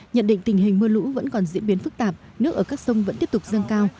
nhận định tình hình mưa lũ vẫn còn diễn biến phức tạp nước ở các sông vẫn tiếp tục dâng cao